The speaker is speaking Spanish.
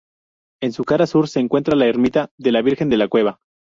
En su cara sur se encuentra la ermita de la Virgen de la Cueva.